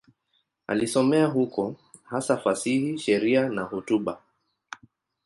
Alisomea huko, hasa fasihi, sheria na hotuba.